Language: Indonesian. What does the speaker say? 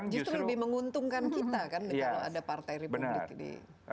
justru lebih menguntungkan kita kan kalau ada partai republik di